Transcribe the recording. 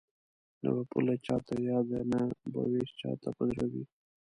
نه به پوله چاته یاده نه به وېش چاته په زړه وي